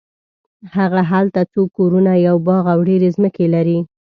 هغه هلته څو کورونه یو باغ او ډېرې ځمکې لري.